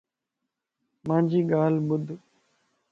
مانجي ڳالھ ٻڌ